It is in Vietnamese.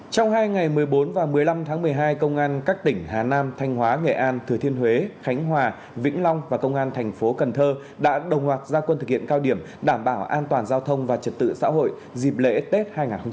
trong hai ngày một mươi bốn và một mươi năm tháng một mươi hai công an các tỉnh hà nam thanh hóa nghệ an thừa thiên huế khánh hòa vĩnh long và công an thành phố cần thơ đã đồng loạt gia quân thực hiện cao điểm đảm bảo an toàn giao thông và trật tự xã hội dịp lễ tết hai nghìn hai mươi bốn